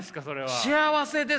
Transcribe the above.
「幸せです。